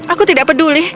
aku tidak peduli